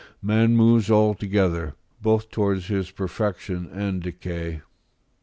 Man moves all together, both towards his perfection and decay.